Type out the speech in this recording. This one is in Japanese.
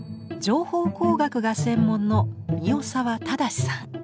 情報工学が専門の三代沢正さん。